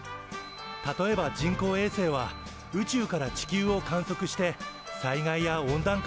例えば人工衛星は宇宙から地球を観測して災害や温暖化の対策に役立っているよ。